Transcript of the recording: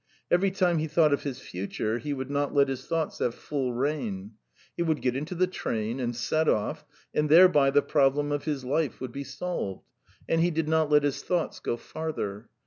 Every time he thought of his future he would not let his thoughts have full rein. He would get into the train and set off, and thereby the problem of his life would be solved, and he did not let his thoughts go farther.